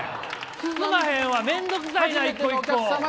進まへんわ、面倒くさいな１個１個。